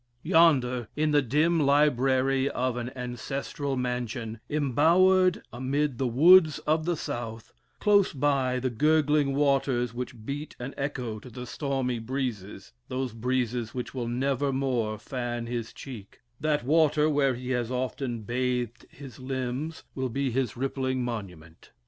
Yonder, in the dim library of an ancestral mansion, embowered amid the woods of the south, close by the gurgling waters which beat an echo to the stormy breezes those breezes which will never more fan his cheek that water where he has often bathed his limbs will be his rippling monument.